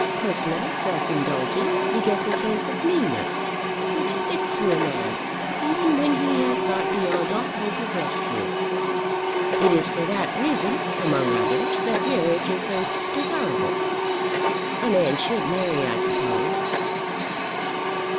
Personal self indulgence begets a sense of meanness which sticks to a man even when he has got beyond all hope of rescue. It is for that reason, among others, that marriage is so desirable." "A man should marry, I suppose."